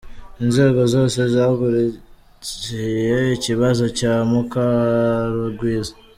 Inzego zose zagurukiye ikibazo cya Mukarugwiza.